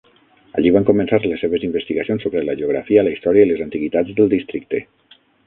Allí van començar les seves investigacions sobre la geografia, la història i les antiguitats del districte.